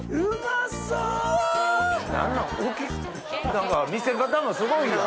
何か見せ方もすごいやん。